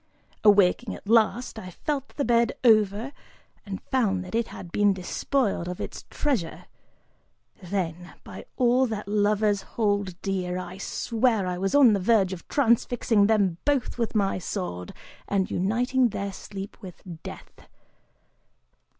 Awaking at last, I felt the bed over and found that it had been despoiled of its treasure: then, by all that lovers hold dear, I swear I was on the verge of transfixing them both with my sword and uniting their sleep with death.